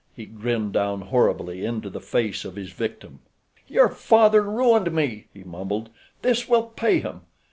He grinned down horribly into the face of his victim. "Your father ruined me," he mumbled. "This will pay him.